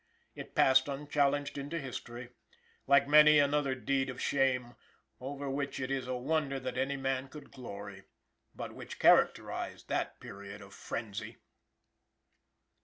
It passed unchallenged into history, like many another deed of shame, over which it is a wonder that any man could glory, but which characterized that period of frenzy.